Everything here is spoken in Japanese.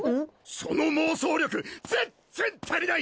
その妄想力全然足りない！